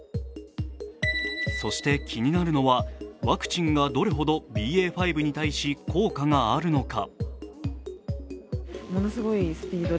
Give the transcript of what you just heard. そして、気になるのはワクチンがどれほどＢＡ．５に対し効果があるのか。